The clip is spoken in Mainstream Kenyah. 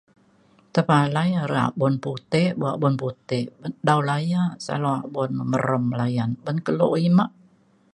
tepalai rak abon putek bok abon putek pendau laya' selaubon merem layan beng keluk uimak.